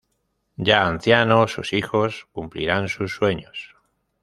Ya ancianos, sus hijos cumplirán sus sueños.